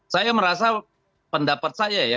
saya merasa pendapat saya ya